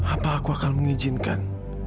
apa aku akan mengizinkan